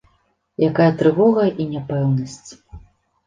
Якая трывога і няпэўнасць!